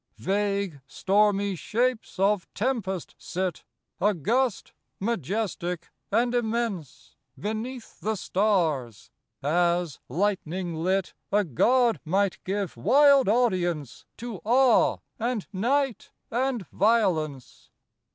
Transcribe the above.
Vague, stormy shapes of tempest sit, August, majestic, and immense, Beneath the stars as, lightning lit, A god might give wild audience To awe and night and violence.